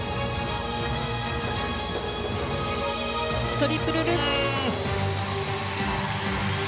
トリプルルッツ。